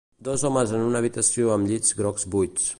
Dos homes en una habitació amb llits grocs buits.